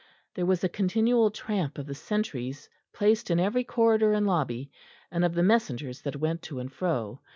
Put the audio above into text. There was a continual tramp of the sentries placed in every corridor and lobby, and of the messengers that went to and fro.